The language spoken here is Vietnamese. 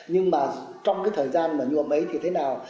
nhưng mà trong cái thời gian mà nhuộm ấy thì thế nào